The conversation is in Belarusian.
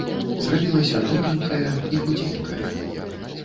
Зрабілася тоненькая і худзенькая.